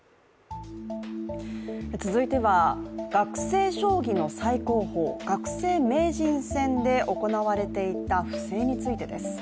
続いては、学生将棋の最高峰、学生名人戦で行われていた不正についてです。